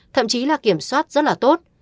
thậm chí là kiểm soát rất là tốt